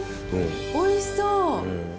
おいしそう！